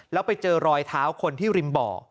แล้วไปเจอรอยเท้าคนที่ริมบ่อ